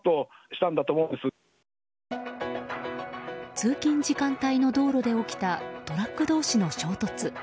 通勤時間帯の道路で起きたトラック同士の衝突。